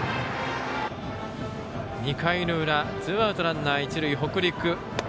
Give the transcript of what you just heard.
２回裏、ツーアウトランナー、一塁で北陸。